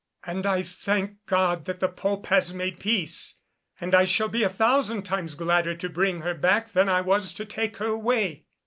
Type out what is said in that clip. And I thank God that the Pope has made peace, and I shall be a thousand times gladder to bring her back than I was to take her away.